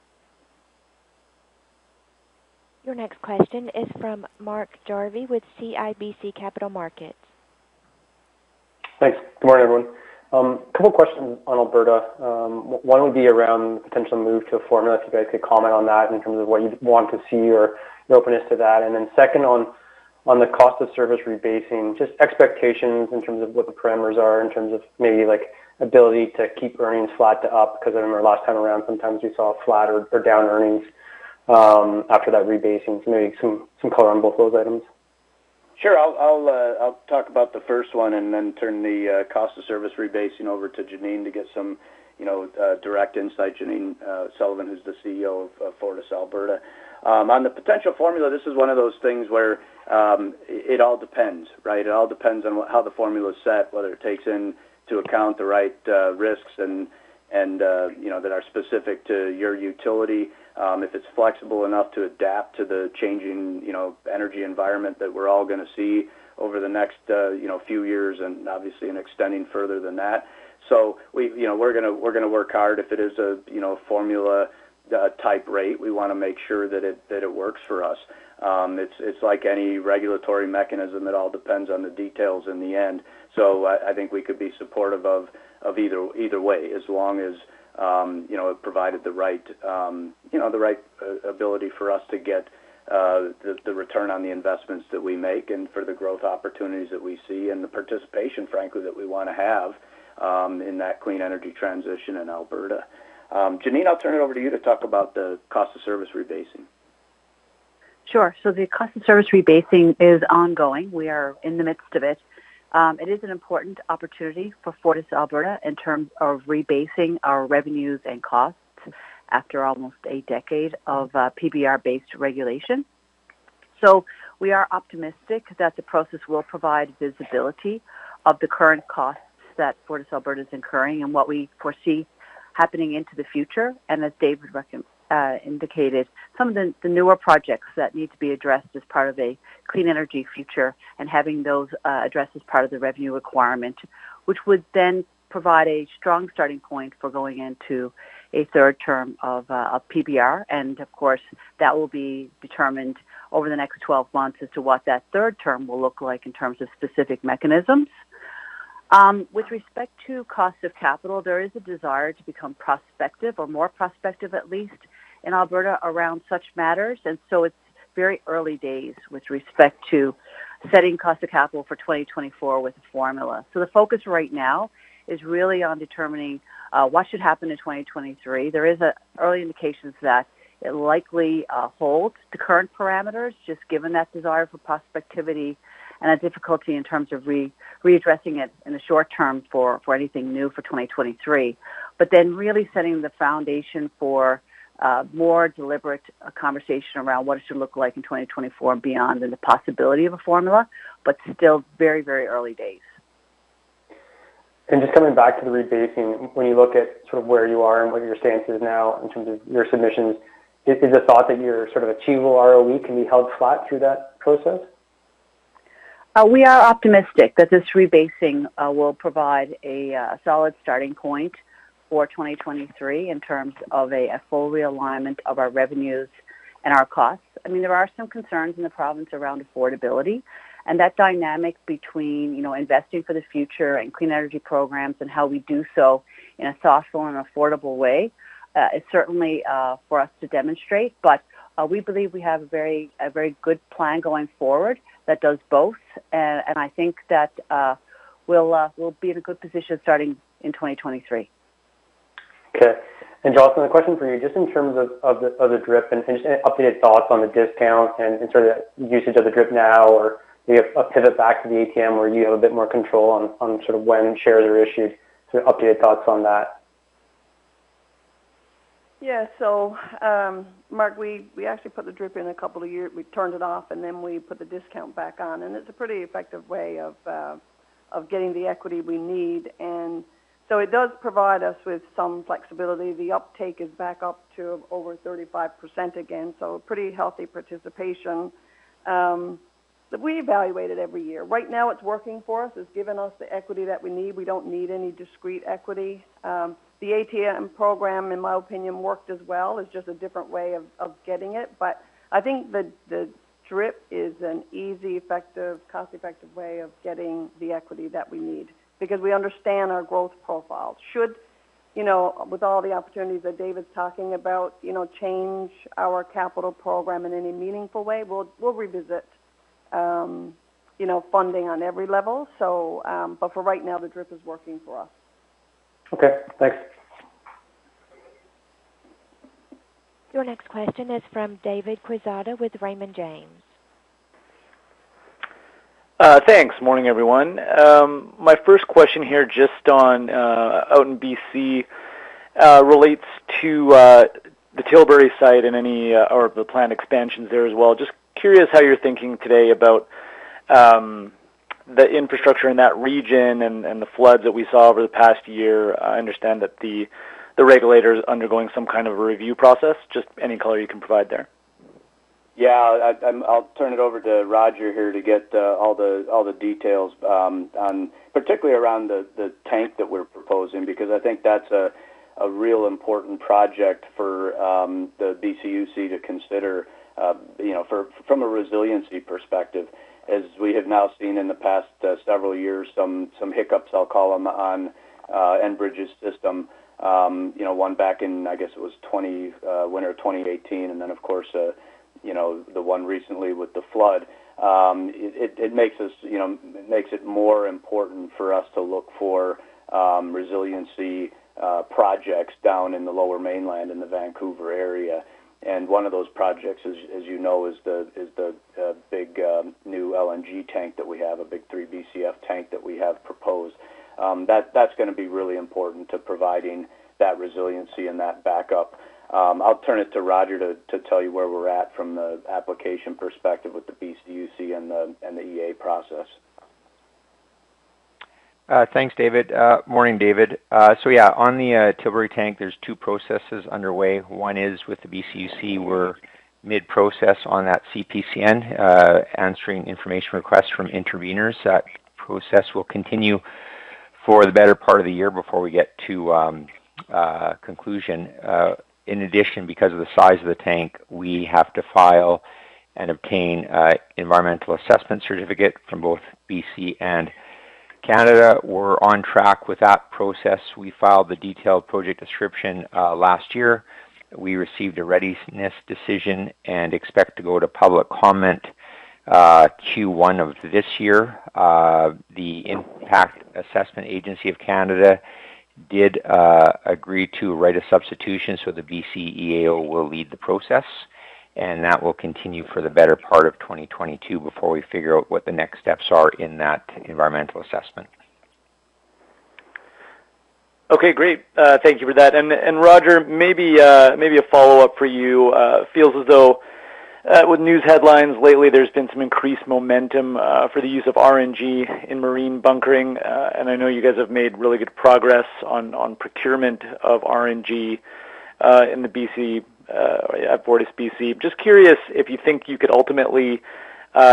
Your next question is from Mark Jarvi with CIBC Capital Markets. Thanks. Good morning, everyone. Couple questions on Alberta. One would be around potential move to a formula, if you guys could comment on that in terms of what you'd want to see or your openness to that. And then second on the cost of service rebasing, just expectations in terms of what the parameters are in terms of maybe like ability to keep earnings flat to up. Because I remember last time around, sometimes we saw flat or down earnings after that rebasing. Maybe some color on both those items. Sure. I'll talk about the first one and then turn the cost of service rebasing over to Janine to get some, you know, direct insight. Janine Sullivan, who's the CEO of FortisAlberta. On the potential formula, this is one of those things where it all depends, right? It all depends on how the formula is set, whether it takes into account the right risks and, you know, that are specific to your utility. If it's flexible enough to adapt to the changing, you know, energy environment that we're all gonna see over the next, you know, few years and obviously extending further than that. We're gonna work hard. If it is a you know formula type rate, we wanna make sure that it works for us. It's like any regulatory mechanism. It all depends on the details in the end. I think we could be supportive of either way, as long as you know it provided the right ability for us to get the return on the investments that we make and for the growth opportunities that we see and the participation, frankly, that we wanna have in that clean energy transition in Alberta. Janine, I'll turn it over to you to talk about the cost of service rebasing. Sure. The cost of service rebasing is ongoing. We are in the midst of it. It is an important opportunity for FortisAlberta in terms of rebasing our revenues and costs after almost a decade of PBR-based regulation. We are optimistic that the process will provide visibility of the current costs that FortisAlberta is incurring and what we foresee happening into the future. As David indicated, some of the newer projects that need to be addressed as part of a clean energy future and having those addressed as part of the revenue requirement, which would then provide a strong starting point for going into a third-term of PBR. Of course, that will be determined over the next 12 months as to what that third-term will look like in terms of specific mechanisms. With respect to cost of capital, there is a desire to become prospective or more prospective, at least in Alberta around such matters. It's very early days with respect to setting cost of capital for 2024 with the formula. The focus right now is really on determining what should happen in 2023. There are early indications that it likely holds the current parameters, just given that desire for prospectivity and a difficulty in terms of readdressing it in the short-term for anything new for 2023. Really setting the foundation for more deliberate conversation around what it should look like in 2024 and beyond, and the possibility of a formula, but still very, very early days. Just coming back to the rebasing, when you look at sort of where you are and what your stance is now in terms of your submissions, is there a thought that your sort of achievable ROE can be held flat through that process? We are optimistic that this rebasing will provide a solid starting point for 2023 in terms of a full realignment of our revenues and our costs. I mean, there are some concerns in the province around affordability, and that dynamic between, you know, investing for the future and clean energy programs and how we do so in a thoughtful and affordable way is certainly for us to demonstrate. We believe we have a very good plan going forward that does both. I think that we'll be in a good position starting in 2023. Okay. Jocelyn, a question for you, just in terms of the DRIP and any updated thoughts on the discount and sort of usage of the DRIP now or a pivot back to the ATM where you have a bit more control on sort of when shares are issued. Updated thoughts on that. Yeah. Mark, we actually put the DRIP in a couple of years. We turned it off, and then we put the discount back on. It's a pretty effective way of getting the equity we need. It does provide us with some flexibility. The uptake is back up to over 35% again, so pretty healthy participation that we evaluate it every year. Right now it's working for us. It's given us the equity that we need. We don't need any discrete equity. The ATM program, in my opinion, worked as well. It's just a different way of getting it. I think the DRIP is an easy, effective, cost-effective way of getting the equity that we need because we understand our growth profile. Should, you know, with all the opportunities that David's talking about, you know, change our capital program in any meaningful way, we'll revisit, you know, funding on every level. But for right now, the DRIP is working for us. Okay. Thanks. Your next question is from David Quezada with Raymond James. Thanks. Morning, everyone. My first question here, just on out in BC, relates to the Tilbury site and any or the planned expansions there as well. Just curious how you're thinking today about the infrastructure in that region and the floods that we saw over the past year. I understand that the regulator is undergoing some kind of a review process. Just any color you can provide there. Yeah, I'll turn it over to Roger here to get all the details on particularly around the tank that we're proposing, because I think that's a real important project for the BCUC to consider, you know, from a resiliency perspective. As we have now seen in the past several years, some hiccups I'll call them on Enbridge's system. You know, one back in, I guess it was winter of 2018 and then, of course, you know, the one recently with the flood. It makes it more important for us to look for resiliency projects down in the Lower Mainland in the Vancouver area. One of those projects, as you know, is the big new LNG tank that we have, a big 3 BCF tank that we have proposed. That's gonna be really important to providing that resiliency and that backup. I'll turn it to Roger to tell you where we're at from the application perspective with the BCUC and the EA process. Thanks, David. Morning, David. Yeah, on the Tilbury tank, there's two processes underway. One is with the BCUC, we're mid-process on that CPCN, answering information requests from interveners. That process will continue for the better part of the year before we get to conclusion. In addition, because of the size of the tank, we have to file and obtain environmental assessment certificate from both BC and Canada. We're on track with that process. We filed the detailed project description last year. We received a readiness decision and expect to go to public comment Q1 of this year. The Impact Assessment Agency of Canada did agree to write a substitution, so the BCEAO will lead the process, and that will continue for the better part of 2022 before we figure out what the next steps are in that environmental assessment. Okay, great. Thank you for that. Roger, maybe a follow-up for you. It feels as though with news headlines lately, there's been some increased momentum for the use of RNG in marine bunkering, and I know you guys have made really good progress on procurement of RNG in the BC at FortisBC. Just curious if you think you could ultimately,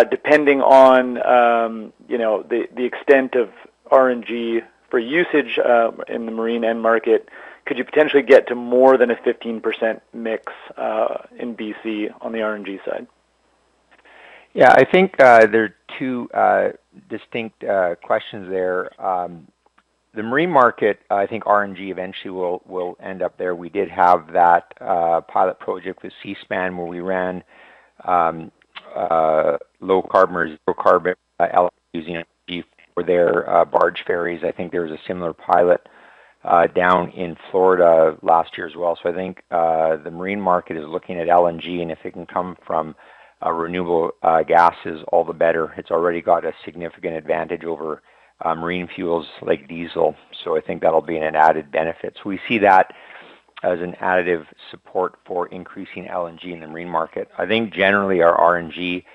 depending on you know the extent of RNG for usage in the marine end market, could you potentially get to more than a 15% mix in BC on the RNG side? Yeah. I think there are two distinct questions there. The marine market, I think RNG eventually will end up there. We did have that pilot project with Seaspan, where we ran low-carbon or zero-carbon LNG for their barge ferries. I think there was a similar pilot down in Florida last year as well. I think the marine market is looking at LNG, and if it can come from renewable gases, all the better. It's already got a significant advantage over marine fuels like diesel, so I think that'll be an added benefit. We see that as an additive support for increasing LNG in the marine market. I think generally our RNG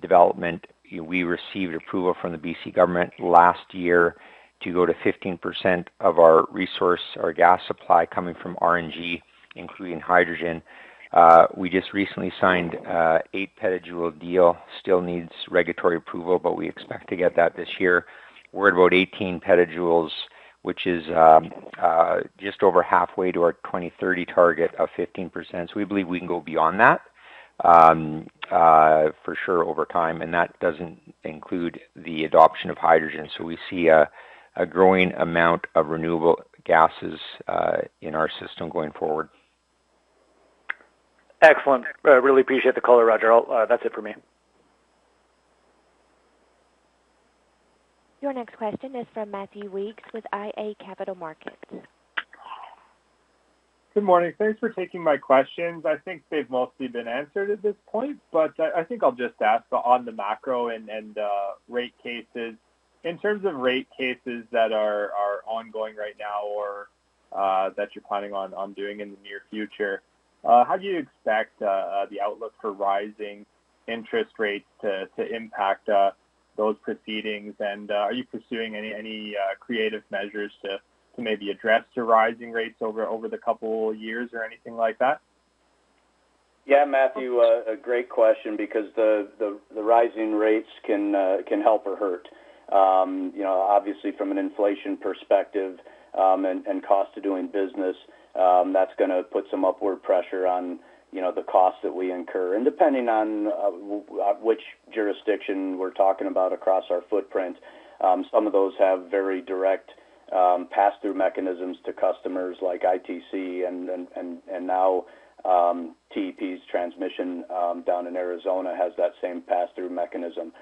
development, we received approval from the BC government last year to go to 15% of our resource, our gas supply coming from RNG, including hydrogen. We just recently signed a petajoule deal. Still needs regulatory approval, but we expect to get that this year. We're at about 18 petajoules, which is just over halfway to our 2030 target of 15%. We believe we can go beyond that for sure over time, and that doesn't include the adoption of hydrogen. We see a growing amount of renewable gases in our system going forward. Excellent. Really appreciate the call, Roger. I'll, that's it for me. Your next question is from Matthew Weekes with iA Capital Markets. Good morning. Thanks for taking my questions. I think they've mostly been answered at this point, but I think I'll just ask on the macro and rate cases. In terms of rate cases that are ongoing right now or that you're planning on doing in the near future, how do you expect the outlook for rising interest rates to impact those proceedings? Are you pursuing any creative measures to maybe address the rising rates over the couple years or anything like that? Yeah. Matthew, a great question because the rising rates can help or hurt. You know, obviously from an inflation perspective, and cost to doing business, that's gonna put some upward pressure on the costs that we incur. Depending on which jurisdiction we're talking about across our footprint, some of those have very direct pass-through mechanisms to customers like ITC and now TEP's transmission down in Arizona has that same pass-through mechanism.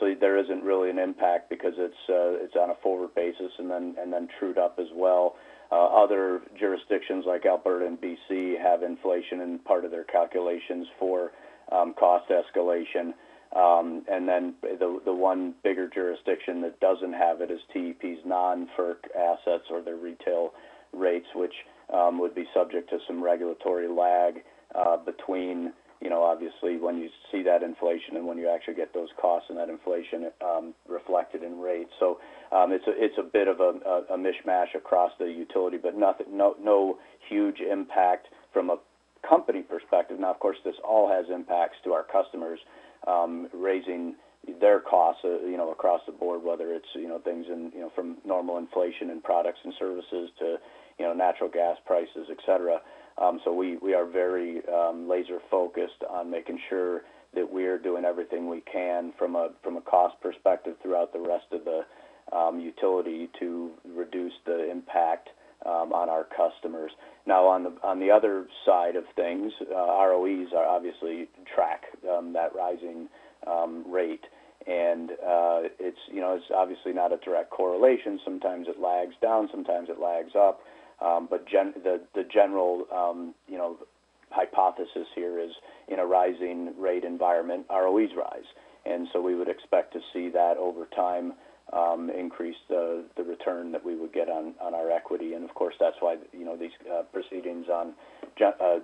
So there isn't really an impact because it's on a forward basis and then trued up as well. Other jurisdictions like Alberta and BC have inflation in part of their calculations for cost escalation. The one bigger jurisdiction that doesn't have it is TEP's non-FERC assets or their retail rates, which would be subject to some regulatory lag between, you know, obviously when you see that inflation and when you actually get those costs and that inflation reflected in rates. It's a bit of a mishmash across the utility, but nothing, no huge impact from a company perspective. Now, of course, this all has impacts to our customers, raising their costs, you know, across the board, whether it's, you know, things in, you know, from normal inflation in products and services to, you know, natural gas prices, et cetera. We are very laser-focused on making sure that we're doing everything we can from a cost perspective throughout the rest of the utility to reduce the impact on our customers. Now, on the other side of things, ROEs are obviously tracking that rising rate. It's, you know, obviously not a direct correlation. Sometimes it lags down, sometimes it lags up. The general, you know, hypothesis here is in a rising rate environment, ROEs rise. We would expect to see that over time increase the return that we would get on our equity. Of course, that's why, you know, these proceedings on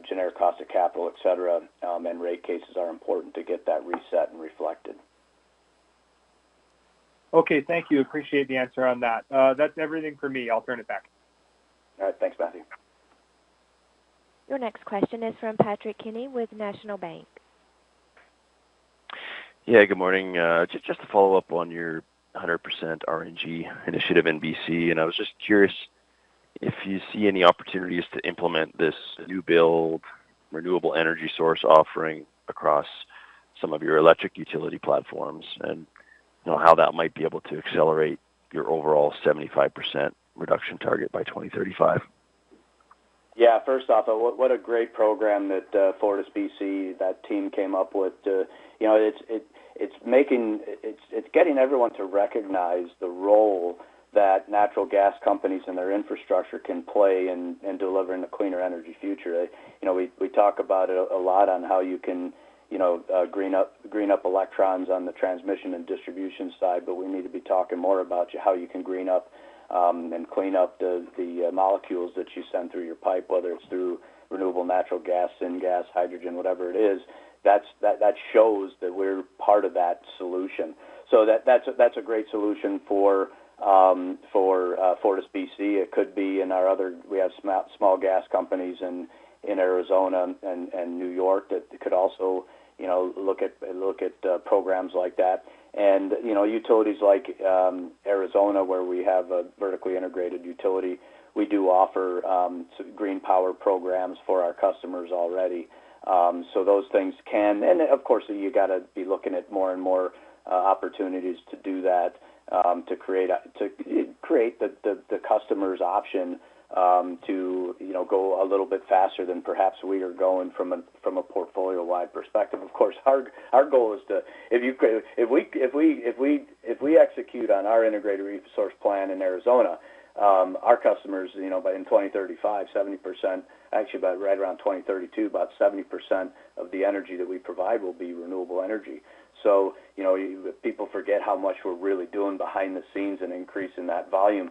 generic cost of capital, et cetera, and rate cases are important to get that reset and reflected. Okay. Thank you. Appreciate the answer on that. That's everything for me. I'll turn it back. All right. Thanks, Matthew. Your next question is from Patrick Kenny with National Bank. Yeah. Good morning. Just to follow up on your 100% RNG initiative in BC, and I was just curious if you see any opportunities to implement this new build renewable energy source offering across some of your electric utility platforms, and, you know, how that might be able to accelerate your overall 75% reduction target by 2035? Yeah. First off, a great program that FortisBC team came up with. You know, it's getting everyone to recognize the role that natural gas companies and their infrastructure can play in delivering a cleaner energy future. You know, we talk about it a lot on how you can, you know, green up electrons on the transmission and distribution side, but we need to be talking more about how you can green up and clean up the molecules that you send through your pipe, whether it's through renewable natural gas, syngas, hydrogen, whatever it is. That shows that we're part of that solution. That's a great solution for FortisBC. We have small gas companies in Arizona and New York that could also, you know, look at programs like that. You know, utilities like Arizona, where we have a vertically integrated utility, we do offer green power programs for our customers already. Of course, you gotta be looking at more and more opportunities to do that to create the customer's option, you know, to go a little bit faster than perhaps we are going from a portfolio-wide perspective. Of course, our goal is to execute on our integrated resource plan in Arizona, our customers, you know, by 2035, 70%, actually by right around 2032, about 70% of the energy that we provide will be renewable energy. You know, people forget how much we're really doing behind the scenes and increasing that volume.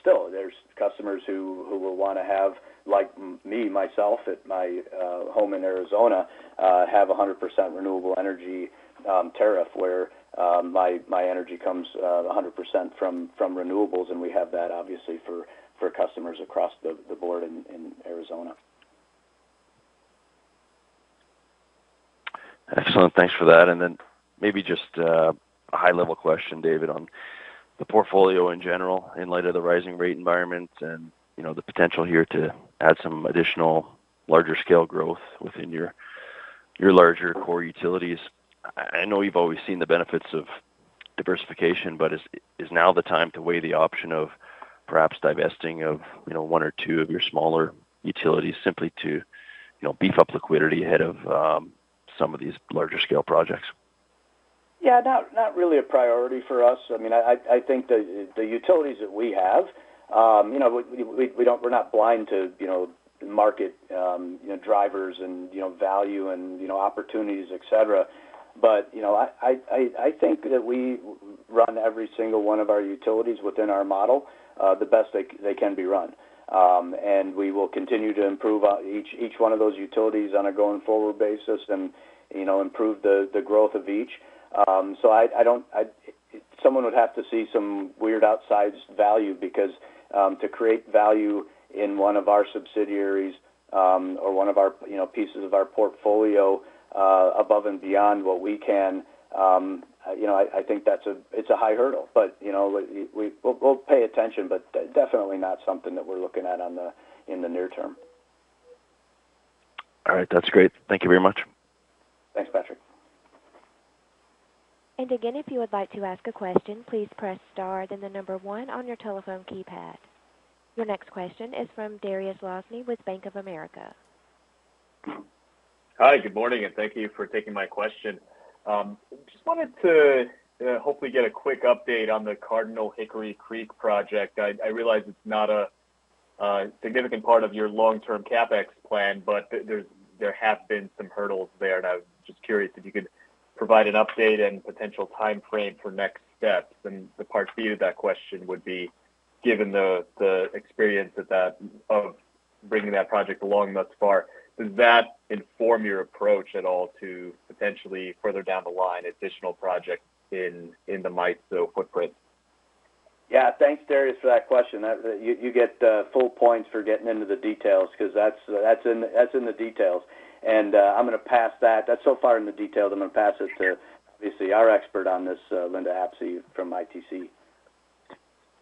Still, there's customers who will wanna have, like me, myself, at my home in Arizona, have a 100% renewable energy tariff where my energy comes a 100% from renewables, and we have that obviously for customers across the board in Arizona. Excellent. Thanks for that. Then maybe just a high-level question, David, on the portfolio in general in light of the rising rate environment and, you know, the potential here to add some additional larger scale growth within your larger core utilities. I know you've always seen the benefits of diversification, but is now the time to weigh the option of perhaps divesting of, you know, one or two of your smaller utilities simply to, you know, beef up liquidity ahead of some of these larger scale projects? Yeah. Not really a priority for us. I mean, I think the utilities that we have, you know, we're not blind to, you know, market, you know, drivers and, you know, value and, you know, opportunities, et cetera. You know, I think that we run every single one of our utilities within our model, the best they can be run. We will continue to improve each one of those utilities on a going-forward basis and, you know, improve the growth of each. Someone would have to see some weird outsized value because to create value in one of our subsidiaries or one of our, you know, pieces of our portfolio above and beyond what we can, you know, I think that's a high hurdle. You know, we'll pay attention, but definitely not something that we're looking at in the near-term. All right. That's great. Thank you very much. Thanks, Patrick. Again, if you would like to ask a question, please press star then the number one on your telephone keypad. Your next question is from Dariusz Lozny with Bank of America. Hi. Good morning, and thank you for taking my question. Just wanted to hopefully get a quick update on the Cardinal-Hickory Creek project. I realize it's not a significant part of your long-term CapEx plan, but there have been some hurdles there, and I was just curious if you could provide an update and potential timeframe for next steps. The part B of that question would be, given the experience of bringing that project along thus far, does that inform your approach at all to potentially further down the line additional projects in the MISO footprint? Yeah. Thanks, Dariusz, for that question. You get full points for getting into the details 'cause that's in the details. I'm gonna pass that. That's so far in the details, I'm gonna pass this to obviously our expert on this, Linda Apsey from ITC.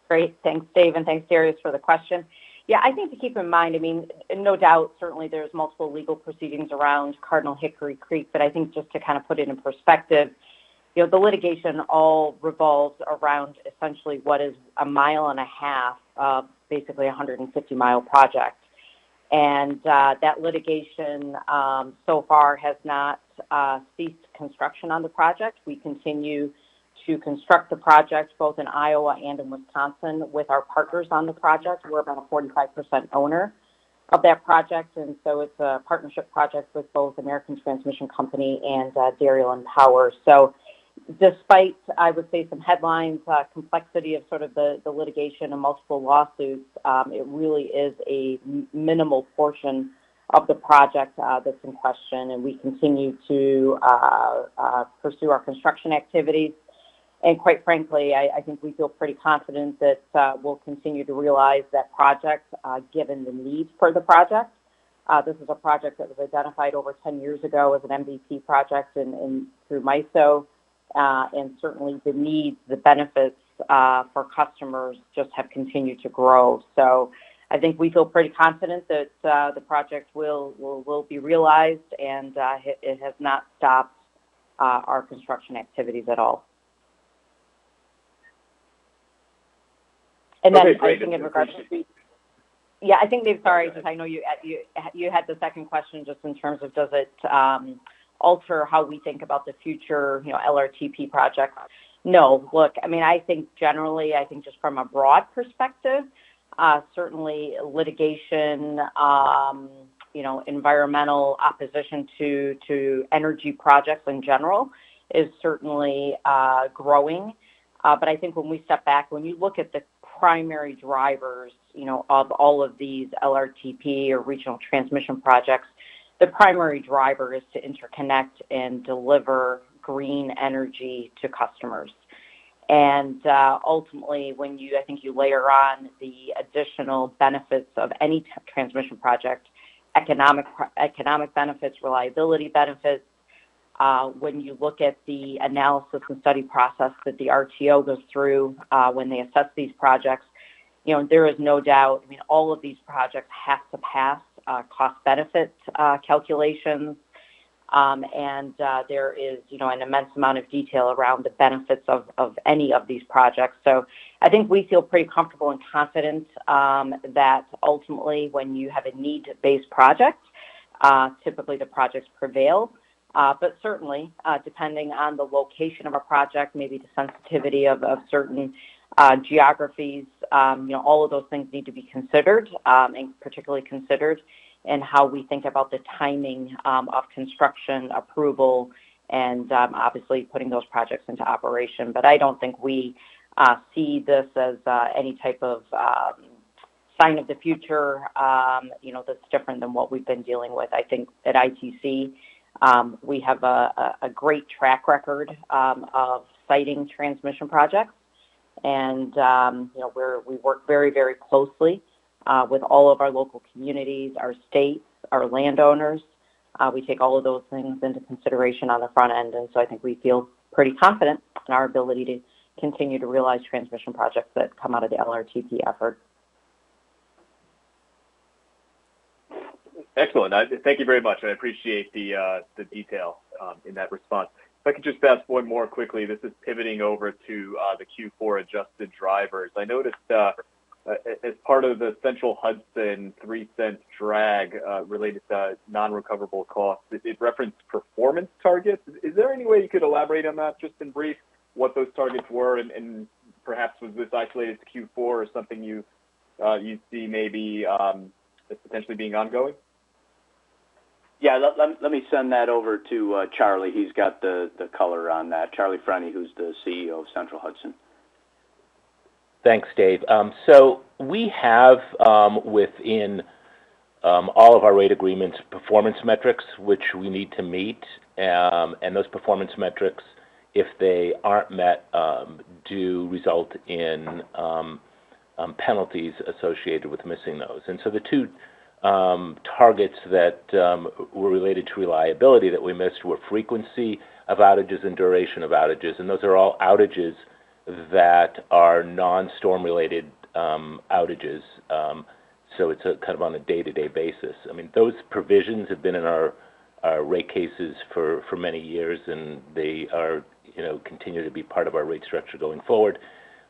Great. Thanks, Dave, and thanks, Dariusz, for the question. Yeah, I think to keep in mind, I mean, no doubt, certainly there's multiple legal proceedings around Cardinal-Hickory Creek, but I think just to kind of put it in perspective, you know, the litigation all revolves around essentially what is 1.5 mi of basically a 150-mi project. That litigation, so far has not ceased construction on the project. We continue to construct the project both in Iowa and in Wisconsin with our partners on the project. We're about a 45% owner of that project, and so it's a partnership project with both American Transmission Company and Dairyland Power. Despite, I would say, some headlines, complexity of sort of the litigation and multiple lawsuits, it really is a minimal portion of the project that's in question, and we continue to pursue our construction activities. Quite frankly, I think we feel pretty confident that we'll continue to realize that project, given the need for the project. This is a project that was identified over 10 years ago as an MVP project through MISO. Certainly the needs, the benefits for customers just have continued to grow. I think we feel pretty confident that the project will be realized and it has not stopped our construction activities at all. Then I think in regards to- Okay, great. I think they've. Sorry, 'cause I know you had the second question just in terms of does it alter how we think about the future, you know, LRTP projects. No. Look, I mean, I think generally, I think just from a broad perspective, certainly litigation, you know, environmental opposition to energy projects in general is certainly growing. But I think when we step back, when you look at the primary drivers, you know, of all of these LRTP or regional transmission projects, the primary driver is to interconnect and deliver green energy to customers. Ultimately, when you I think you layer on the additional benefits of any transmission project, economic benefits, reliability benefits. When you look at the analysis and study process that the RTO goes through, when they assess these projects, you know, there is no doubt. I mean, all of these projects have to pass cost-benefit calculations. There is, you know, an immense amount of detail around the benefits of any of these projects. I think we feel pretty comfortable and confident that ultimately when you have a need-based project, typically the projects prevail. Certainly, depending on the location of a project, maybe the sensitivity of certain geographies, you know, all of those things need to be considered, and particularly considered in how we think about the timing of construction approval and obviously putting those projects into operation. I don't think we see this as any type of sign of the future, you know, that's different than what we've been dealing with. I think at ITC, we have a great track record of siting transmission projects and, you know, we work very, very closely with all of our local communities, our states, our landowners. We take all of those things into consideration on the front end, and so I think we feel pretty confident in our ability to continue to realize transmission projects that come out of the LRTP effort. Excellent. Thank you very much, and I appreciate the detail in that response. If I could just ask one more quickly, this is pivoting over to the Q4 adjusted drivers. I noticed as part of the Central Hudson 0.03 drag related to non-recoverable costs, it referenced performance targets. Is there any way you could elaborate on that just in brief, what those targets were? Perhaps was this isolated to Q4 or something you see maybe that's potentially being ongoing? Yeah. Let me send that over to Charlie. He's got the color on that. Charlie Freni, who's the CEO of Central Hudson. Thanks, Dave. We have within all of our rate agreements performance metrics, which we need to meet. Those performance metrics, if they aren't met, do result in penalties associated with missing those. The two targets that were related to reliability that we missed were frequency of outages and duration of outages, and those are all outages that are non-storm related outages. It's a kind of on a day-to-day basis. I mean, those provisions have been in our rate cases for many years, and they, you know, continue to be part of our rate structure going forward.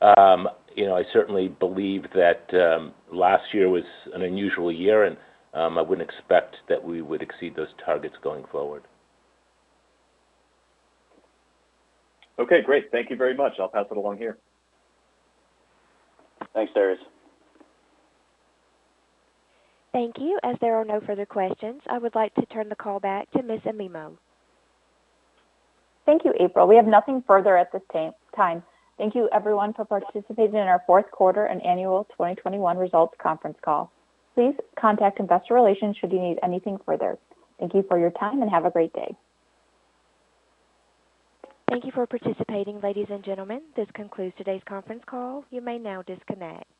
You know, I certainly believe that last year was an unusual year, and I wouldn't expect that we would exceed those targets going forward. Okay, great. Thank you very much. I'll pass it along here. Thanks, Dariusz. Thank you. As there are no further questions, I would like to turn the call back to Ms. Amaimo. Thank you, April. We have nothing further at this time. Thank you everyone for participating in our fourth quarter and annual 2021 results conference call. Please contact investor relations should you need anything further. Thank you for your time and have a great day. Thank you for participating, ladies and gentlemen. This concludes today's conference call. You may now disconnect.